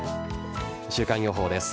週間予報です。